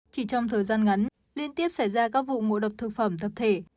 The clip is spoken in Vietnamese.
chỉ trong thời gian ngắn liên tiếp xảy ra các vụ ngộ độc thực phẩm tập thể